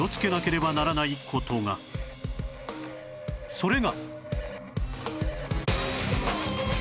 それが